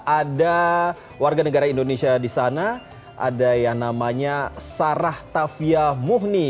ada warga negara indonesia di sana ada yang namanya sarah tafia muhni